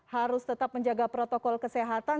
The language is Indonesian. harus tetap menjaga protokol kesehatan